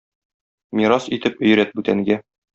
Мирас итеп өйрәт бүтәнгә.